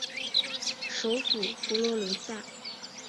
首府佛罗伦萨。